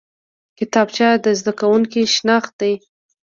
کتابچه د زده کوونکي شناخت دی